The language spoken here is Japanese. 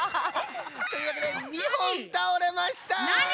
というわけで２ほんたおれました！